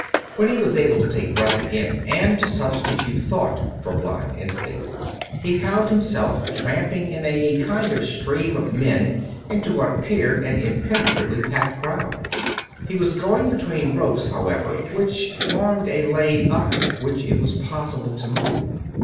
II When he was able to take breath again, and to substitute thought for blind instinct, he found himself tramping in a kind of stream of men into what appeared an impene trably packed crowd. He was going between ropes, how ever, which formed a lane up which it was possible to move.